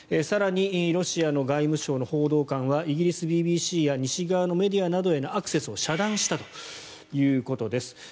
更に、ロシアの外務省の報道官はイギリスＢＢＣや西側のメディアなどへのアクセスを遮断したということです。